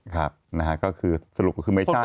ครับนะฮะก็คือสรุปก็คือไม่ใช่